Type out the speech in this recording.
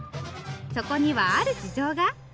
そこにはある事情が？